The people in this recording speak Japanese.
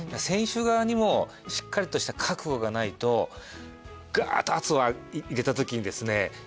選手側にもしっかりとした覚悟がないとがーっと圧を入れたときにですね